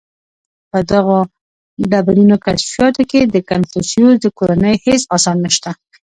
• په دغو ډبرینو کشفیاتو کې د کنفوسیوس د کورنۍ هېڅ آثار نهشته.